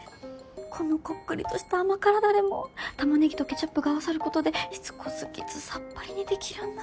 このこっくりとした甘辛だれもタマネギとケチャップが合わさることでしつこ過ぎずさっぱりにできるんだ。